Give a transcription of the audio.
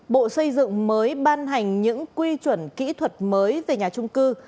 bộ xây dựng mới ban hành những quy chuẩn kỹ thuật mới về nhà trung cư